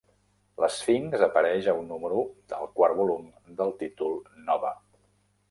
L'esfinx apareix a un número del quart volum del títol "Nova".